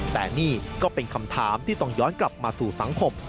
แต่นี่ก็เป็นคำถามที่ต้องย้อนกลับมาสู่สังคม